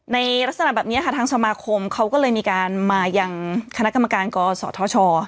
ในลักษณะแบบนี้ค่ะทางสมาคมเขาก็เลยมีการมายังคณะกรรมการกศธช